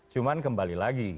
cuman kembali lagi